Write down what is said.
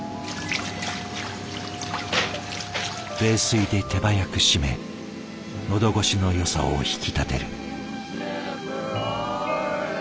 冷水で手早く締め喉越しのよさを引き立てる。